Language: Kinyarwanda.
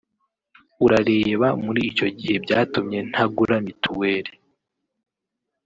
urareba muri icyo gihe byatumye ntagura mituweli